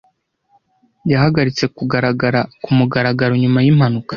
Yahagaritse kugaragara kumugaragaro nyuma yimpanuka.